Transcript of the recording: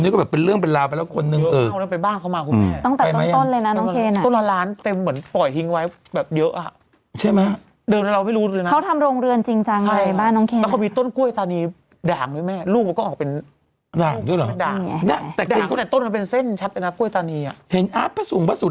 เขาทำโรงเรือนจริงจังในบ้านน้องเคธ